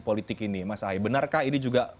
politik ini mas ahaye benarkah ini juga